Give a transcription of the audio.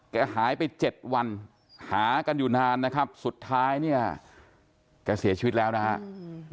แกหายไปเจ็ดวันหากันอยู่นานนะครับสุดท้ายเนี่ยแกเสียชีวิตแล้วนะครับ